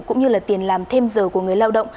cũng như là tiền làm thêm giờ của người lao động